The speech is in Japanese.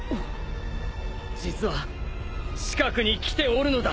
実は近くに来ておるのだ。